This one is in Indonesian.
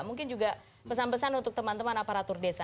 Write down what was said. mungkin juga pesan pesan untuk teman teman aparatur desa